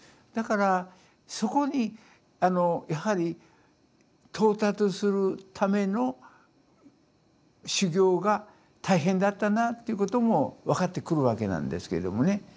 だからそこにやはり到達するための修行が大変だったなぁっていうことも分かってくるわけなんですけどもね。